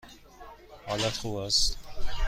حالت خوب است؟